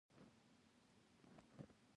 تمدن د نسلونو د ګډو هڅو محصول دی.